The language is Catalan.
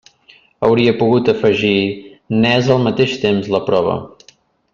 Hauria pogut afegir: n'és al mateix temps la prova.